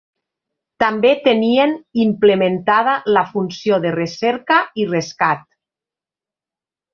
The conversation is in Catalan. També tenien implementada la funció de Recerca i Rescat.